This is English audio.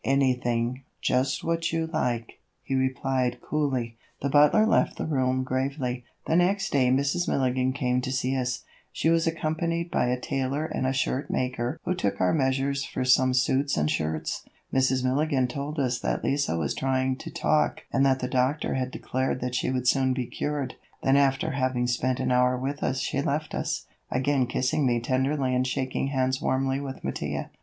"Anything, just what you like," he replied coolly. The butler left the room gravely. The next day Mrs. Milligan came to see us; she was accompanied by a tailor and a shirt maker who took our measures for some suits and shirts. Mrs. Milligan told us that Lise was still trying to talk and that the doctor had declared that she would soon be cured, then after having spent an hour with us she left us, again kissing me tenderly and shaking hands warmly with Mattia.